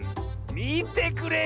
みてくれよ